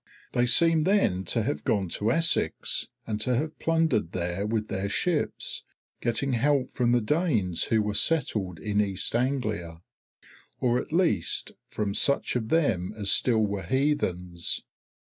They seem then to have gone to Essex and to have plundered there with their ships, getting help from the Danes who were settled in East Anglia, or at least from such of them as still were heathens.